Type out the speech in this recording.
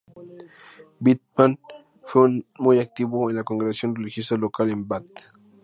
Pitman fue muy activo en la congregación religiosa local en Bath.